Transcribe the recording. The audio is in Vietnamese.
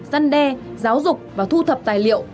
dân đe giáo dục và thu thập tài liệu